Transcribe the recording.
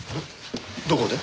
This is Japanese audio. どこで？